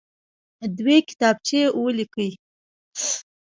دوې کتابچې ولیکئ.